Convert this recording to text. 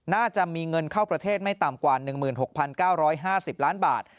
น่าจะมีเงินเข้าประเทศไม่ต่ำกว่า๑๖๙๕๐ล้านบาท